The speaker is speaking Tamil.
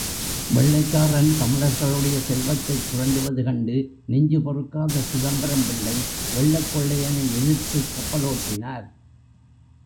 வெள்ளைக்காரன் தமிழர்களுடைய செல்வத்தைச் சுரண்டுவது கண்டு நெஞ்சு பொறுக்காத சிதம்பரம் பிள்ளை வெள்ளைக் கொள்ளையனை எதிர்த்துக் கப்பலோட்டினார்!